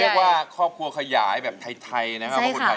เรียกว่าครอบครัวขยายแบบไทยนะครับ